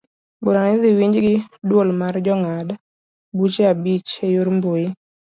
Burano idhi winj gi duol mar jongad buche abich eyor mbui.